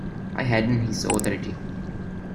I hadn't his authority.